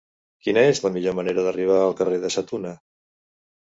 Quina és la millor manera d'arribar al carrer de Sa Tuna?